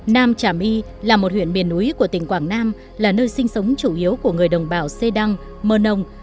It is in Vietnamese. nam trà my là một huyện miền núi của tỉnh quảng nam là nơi sinh sống chủ yếu của người đồng bào xê đăng mơ nông